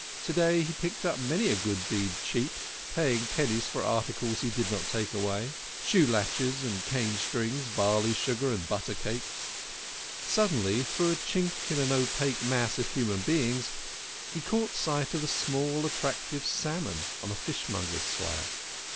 To day he picked up many a good deed cheap, paying 14 THE KING OF SCHNORRERS. pennies for articles he did not take away shoe latchets and cane strings, barley sugar and butter cakes. Suddenly, through a chink in an opaque mass of human beings, he caught sight of a small attractive salmon on a fishmonger's slab.